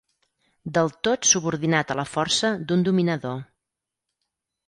Del tot subordinat a la força d'un dominador.